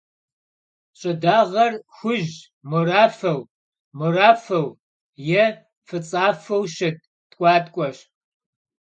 Ş'ıdağer — xuj - morafeu, morafeu yê f'ıts'afeu şıt tk'uatk'ueş.